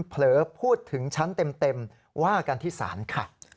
เผลอพูดถึงชั้นเต็มว่ากันที่ศาลค่ะ